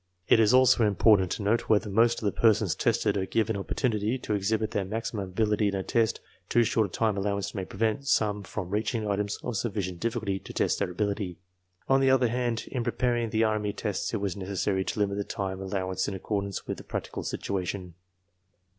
It is also important to note whether most of the persons tested are given oppor tunity to exhibit their maximum ability in a test; too short a time allowance may prevent some from reaching items of suffi cient difficulty to test their ability. On the other hand, in preparing the army tests it was necessary to limit the time al lowance in accordance with the practical situation.